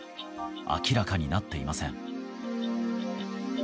明らかになっていません。